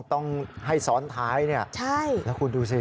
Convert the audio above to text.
ต้องให้ซ้อนท้ายเนี่ยใช่แล้วคุณดูสิ